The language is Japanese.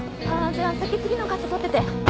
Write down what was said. じゃあ先次のカット撮ってて。